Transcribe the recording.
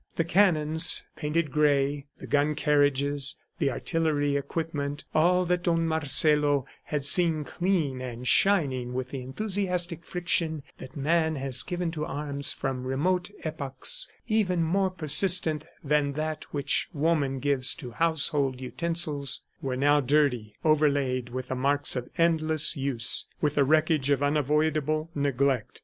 The cannons painted gray, the gun carriages, the artillery equipment, all that Don Marcelo had seen clean and shining with the enthusiastic friction that man has given to arms from remote epochs even more persistent than that which woman gives to household utensils were now dirty, overlaid with the marks of endless use, with the wreckage of unavoidable neglect.